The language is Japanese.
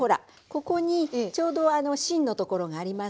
ここにちょうど芯のところがありますよね？